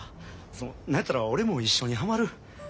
その何やったら俺も一緒にハマる。